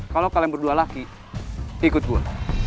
kalau kalian berdua laki ikut gue